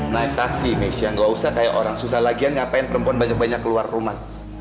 naik taksi misi ya nggak usah kayak orang susah lagian ngapain perempuan banyak banyak keluar rumah